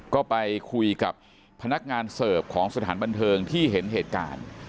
ก็ไปคุยกับพนักงานเสิร์ฟของสถานบันเทิงที่เห็นเหตุการณ์